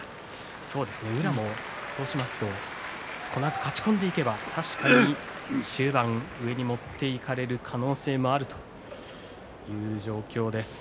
宇良もこのあと勝ち込んでいけば確かに中盤上に持っていかれる可能性もあるという状況です。